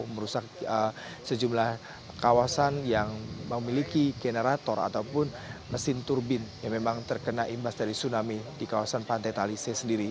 merusak sejumlah kawasan yang memiliki generator ataupun mesin turbin yang memang terkena imbas dari tsunami di kawasan pantai talise sendiri